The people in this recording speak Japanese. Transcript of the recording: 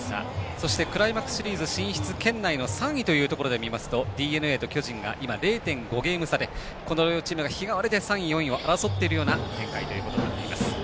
そしてクライマックスシリーズ進出圏内の３位ということで見ますとＤｅＮＡと巨人が今、０．５ゲーム差でこのチームが日替わりで３位、４位を争っているような展開となっています。